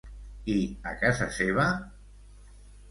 I a casa seva?